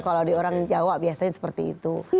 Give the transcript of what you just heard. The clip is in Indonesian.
kalau di orang jawa biasanya seperti itu